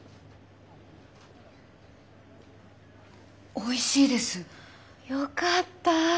おいしいです。よかった。